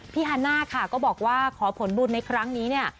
พี่ฮาน่าก็บอกว่าขอผลบุญในครั้งนี้